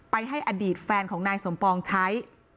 ให้อดีตแฟนของนายสมปองใช้